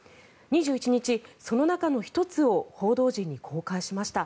２１日、その中の１つを報道陣に公開しました。